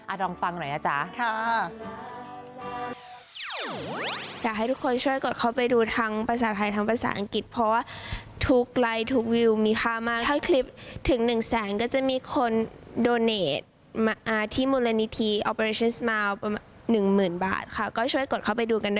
อาดองฟังหน่อยนะจ๊ะค่ะค่ะ